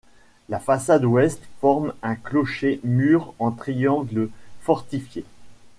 La façade ouest forme un clocher mur en triangle fortifié.